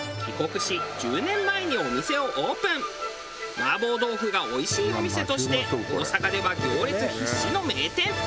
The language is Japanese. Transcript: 麻婆豆腐がおいしいお店として大阪では行列必至の名店。